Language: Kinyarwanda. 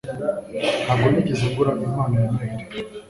Ntabwo nigeze ngura impano ya Noheri.